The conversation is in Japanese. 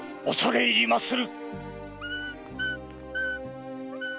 おそれ入りまする。